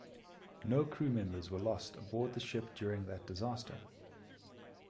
No crew members were lost aboard the ship during that disaster.